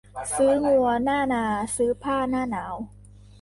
ซื้องัวหน้านา ซื้อผ้าหน้าหนาว